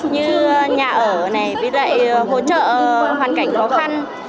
như nhà ở hỗ trợ hoàn cảnh khó khăn